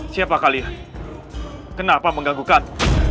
siapa kalian kenapa mengganggu kan